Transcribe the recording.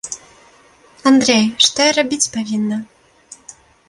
Андрэй, што я рабіць павінна?